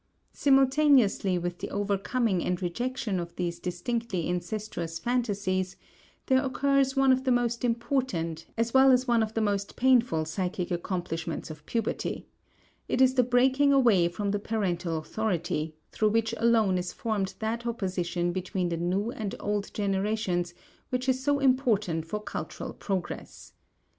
Simultaneously with the overcoming and rejection of these distinctly incestuous phantasies there occurs one of the most important as well as one of the most painful psychic accomplishments of puberty; it is the breaking away from the parental authority, through which alone is formed that opposition between the new and old generations which is so important for cultural progress.